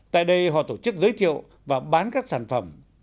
tại đây họ tổ chức giới thiệu và bán các sản phẩm